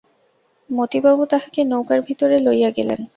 মতিবাবু তাহাকে নৌকার ভিতরে লইয়া গেলেন।